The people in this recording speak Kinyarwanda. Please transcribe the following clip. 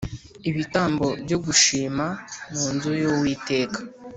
ibitambo byo gushima mu nzu y Uwiteka